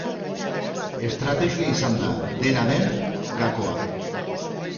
Estrategia izan da, dena den, gakoa.